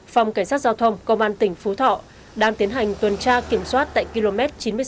phòng cảnh sát giao thông công an tỉnh phú thọ đang tiến hành tuần tra kiểm soát tại km chín mươi sáu tám trăm linh